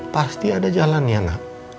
pasti ada jalannya na